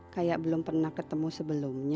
kayak belum pernah ketemu sebelumnya